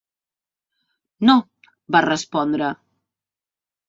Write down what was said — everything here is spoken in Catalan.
"No", va respondre.